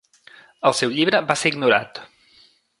El seu llibre va ser ignorat.